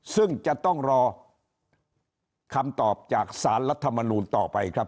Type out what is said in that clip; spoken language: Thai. ซึ่งจะต้องรอคำตอบจากสารรัฐมนูลต่อไปครับ